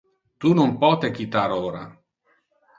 Tu non pote quitar ora.